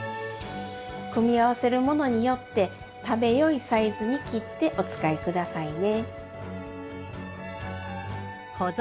組み合わせるものによって食べよいサイズに切ってお使い下さいね。